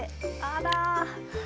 あら！